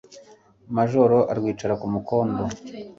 Majoro arwicara ku mukondo